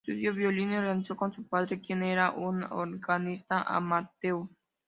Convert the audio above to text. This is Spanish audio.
Estudió violín y órgano con su padre, quien era un organista amateur.